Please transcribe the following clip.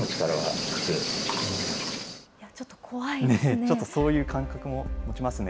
ちょっとそういう感覚も持ちますね。